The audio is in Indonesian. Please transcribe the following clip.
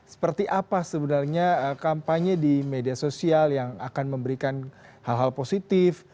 seperti apa sebenarnya kampanye di media sosial yang akan memberikan hal hal positif